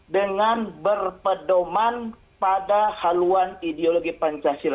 dengan berpedoman pada haluan ideologi pancasila